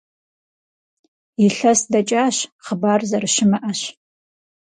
Илъэс дэкӀащ, хъыбар зэрыщымыӀэщ.